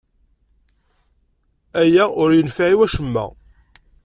Aya ur yenfiɛ i acemma.